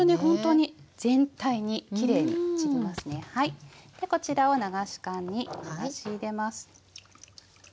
こちらを流し函に流し入れます。